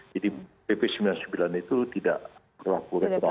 jadi pp sembilan puluh sembilan itu tidak berlaku